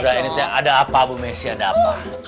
sudah ini ada apa bu messi ada apa